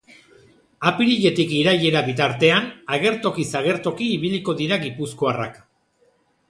Apiriletik irailera bitartean agertokiz agertoki ibiliko dira gipuzkoarrak.